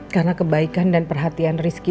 karena kebaikan dan perhatian rizky